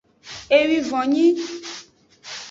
Ewivon nyi.